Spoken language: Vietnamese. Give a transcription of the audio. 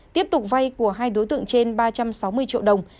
tiếp tục vay của hai đối tượng trên ba trăm sáu mươi triệu đồng